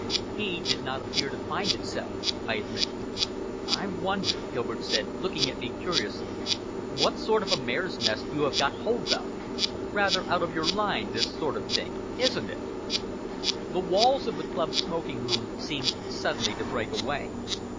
"He did not appear to find it so," I admitted. "I wonder," Gilbert said, looking at me curiously "what sort of a mare's nest you have got hold of. Rather out of your line, this sort of thing, isn't it?" The walls of the club smoking room seemed suddenly to break away.